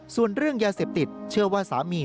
ส่วนเรื่องยาเสพติดเชื่อว่าสามี